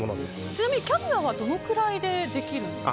ちなみにキャビアはどれくらいでできるんですか。